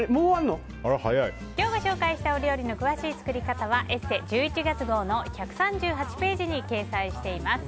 今日ご紹介した料理の詳しい作り方は「ＥＳＳＥ」１１月号の１３８ページに掲載しています。